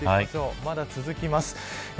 まだ続きます。